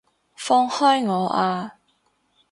放開我啊！